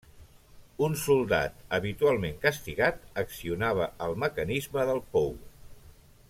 Un soldat, habitualment castigat, accionava el mecanisme del pou.